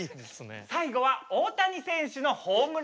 最後は大谷選手のホームランを見よう。